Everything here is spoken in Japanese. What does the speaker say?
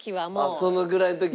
そのぐらいの時は。